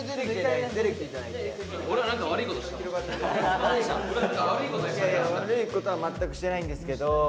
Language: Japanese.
いやいや悪いことは全くしてないんですけど。